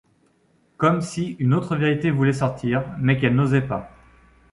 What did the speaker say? Comme si une autre vérité voulait sortir, mais qu’elle n’osait pas.